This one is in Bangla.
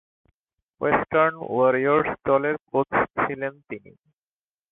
ওয়েস্টার্ন ওয়ারিয়র্স দলের কোচ ছিলেন তিনি।